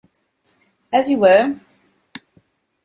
As you were!